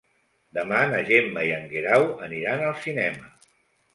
Demà na Gemma i en Guerau aniran al cinema.